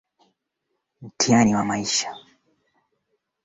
tarehe tano mwezi wa pili mwaka elfu moja mia tisa sabini na saba